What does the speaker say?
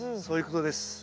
そういうことです。